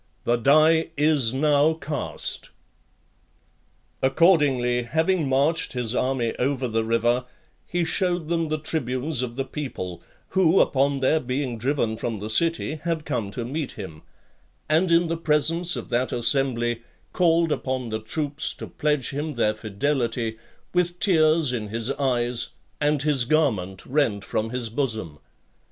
The die is now cast." XXXIII. Accordingly, having marched his army over the river, he shewed them the tribunes of the people, who, upon their being driven from the city, had come to meet him; and, in the presence of that assembly, called upon the troops to pledge him their fidelity, with tears in his eyes, and his garment rent from his bosom.